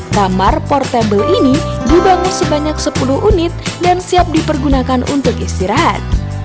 kamar portable ini dibangun sebanyak sepuluh unit dan siap dipergunakan untuk istirahat